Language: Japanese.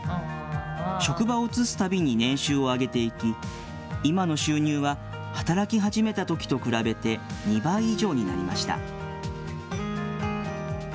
職場を移すたびに年収を上げていき、今の収入は働き始めたときと比べて２倍以上になりました。